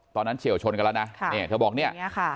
ตอนนั้นเฉี่ยวชนกันแล้วนะเธอบอกนี้